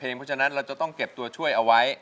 เพราะฉะนั้นเราจะต้องเก็บตัวช่วยเอาไว้